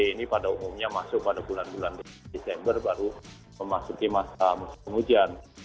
ini pada umumnya masuk pada bulan bulan desember baru memasuki masa musim penghujan